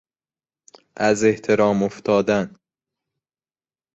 از احترام افتادن